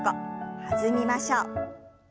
弾みましょう。